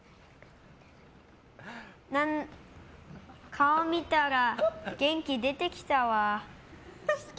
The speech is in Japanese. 顔見たら元気出てきたわ。